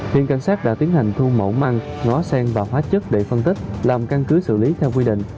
hiện cảnh sát đã tiến hành thu mẫu măng ngó sen và hóa chất để phân tích làm căn cứ xử lý theo quy định